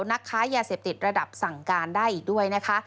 นักค้ายาเสพติดระดับสั่งการได้อีกด้วยนะคะ